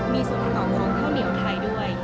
มีส่วนประกอบของข้าวเหนียวไทยด้วย